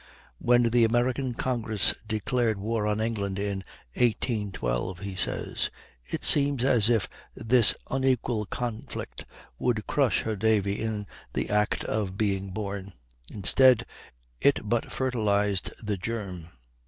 "When the American Congress declared war on England in 1812," he says, "it seemed as if this unequal conflict would crush her navy in the act of being born; instead, it but fertilized the germ.